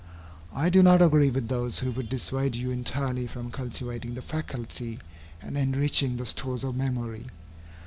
I do not agree with those who would dissuade you entirely from cultivating the faculty and enriching the stores of memory.